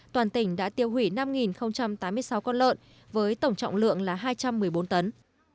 tiêu hủy năm tám mươi sáu con lợn với tổng trọng lượng là hai trăm một mươi bốn tấn